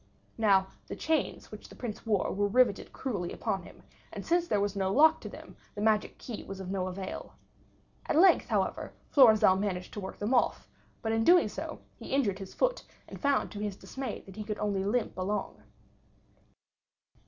Now, the chains which the Prince wore were riveted cruelly upon him, and since there was no lock to them, the magic key was of no avail. At length, however, Florizel managed to work them off; but in doing so, he injured his foot, and found to his dismay that he could only limp along.